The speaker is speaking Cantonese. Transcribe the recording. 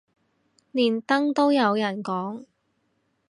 連登都有人講